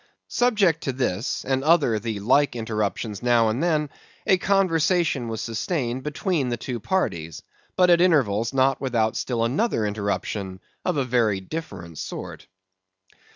Subject to this, and other the like interruptions now and then, a conversation was sustained between the two parties; but at intervals not without still another interruption of a very different sort.